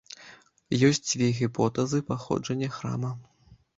Ёсць дзве гіпотэзы паходжання храма.